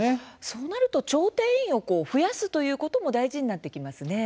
そうなると調停委員を増やすということも大事になってきますね。